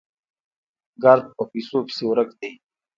ګړد په پيسو پسې ورک دي